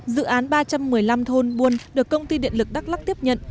dự án ba trăm một mươi năm thôn buôn được công ty điện lực đắk lắc tiếp nhận